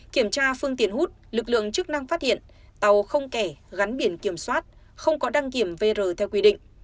kiểm tra phương tiện hút lực lượng chức năng phát hiện tàu không kẻ gắn biển kiểm soát không có đăng kiểm vr theo quy định